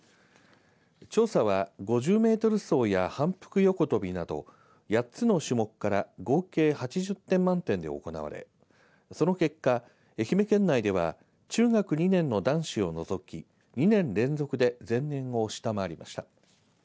調査は５０メートル走や反復横とびなど８つの種目から合計８０点満点で行われその結果、愛媛県内では中学２年の男子を除き２年連続で前年を下回りました。